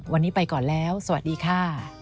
วันนี้ไปก่อนแล้วสวัสดีค่ะ